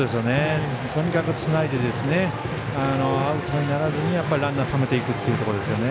とにかくつないでアウトにならずにランナーためていくっていうところですよね。